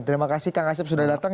terima kasih kang asep sudah datang